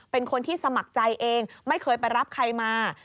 เป็นคนที่สมัครใจเองไม่เคยไปรับใครมา